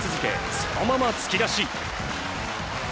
そのまま突き出し。